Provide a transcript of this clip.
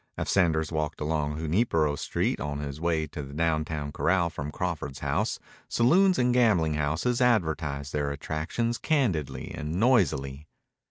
As Sanders walked along Junipero Street, on his way to the downtown corral from Crawford's house, saloons and gambling houses advertised their attractions candidly and noisily.